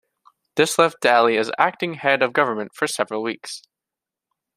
This left Daly as acting head of government for several weeks.